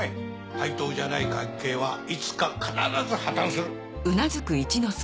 対等じゃない関係はいつか必ず破綻する。